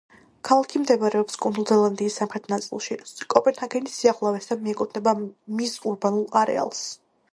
ქალაქი მდებარეობს კუნძულ ზელანდიის სამხრეთ ნაწილში, კოპენჰაგენის სიახლოვეს და მიეკუთვნება მის ურბანულ არეალს.